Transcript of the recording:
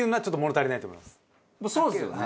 そうですよね。